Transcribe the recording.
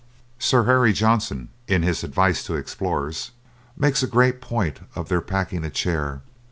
Sir Harry Johnson, in his advice to explorers, makes a great point of their packing a chair.